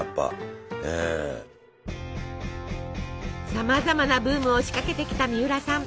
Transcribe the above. さまざまなブームを仕掛けてきたみうらさん。